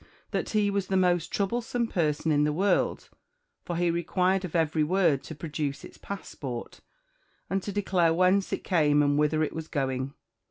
that he was the most troublesome person in the world, for he required of every word to produce its passport, and to declare whence it came and whither it was going.